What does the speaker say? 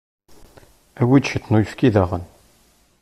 Awi-d ciṭ n uyefki daɣen.